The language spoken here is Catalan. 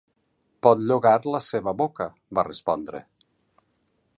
"Pot llogar la seva boca", va respondre.